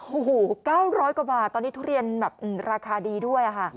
โอ้โห๙๐๐กว่าบาทตอนนี้ทุเรียนแบบราคาดีด้วยค่ะ